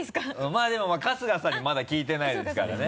まぁでも春日さんにまだ聞いてないですからね。